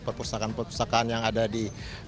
perpustakaan perpustakaan yang ada di